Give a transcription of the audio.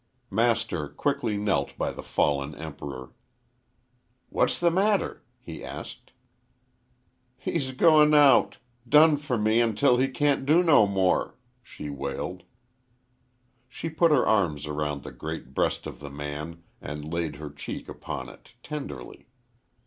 Master quickly knelt by the fallen Emperor. "What's the matter?" he asked. "He's gi'n out done fer me until he can't do no more," she wailed. She put her arms around the great breast of the man and laid her cheek upon it tenderly.